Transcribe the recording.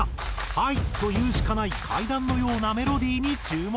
「ハイ！！」と言うしかない階段のようなメロディーに注目。